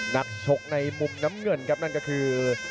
นักชกในมุมน้ำเงินครับนั่นก็คือ